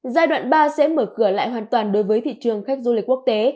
giai đoạn ba sẽ mở cửa lại hoàn toàn đối với thị trường khách du lịch quốc tế